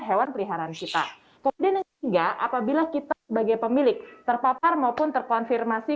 hewan peliharaan kita kemudian yang ketiga apabila kita sebagai pemilik terpapar maupun terkonfirmasi